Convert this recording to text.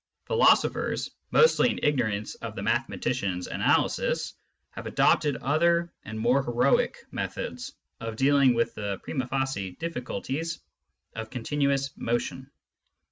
Philosophers, mostly in ignorance of the mathe matician's analysis, have adopted other and more heroic methods of dealing with the primd facie difficulties of continuous motion.